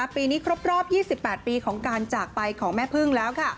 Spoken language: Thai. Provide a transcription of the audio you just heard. ปีนี้ครบรอบ๒๘ปีของการจากไปของแม่พึ่งแล้ว